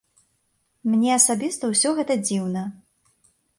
Мне асабіста ўсё гэта дзіўна.